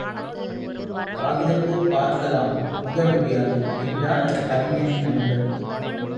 காகிதப்பூ பார்க்கலாம் முகர முடியாது என்றான் அந்தக் கவிஞனின் நண்பன்.